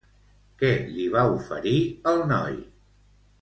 Què li va oferir el noi?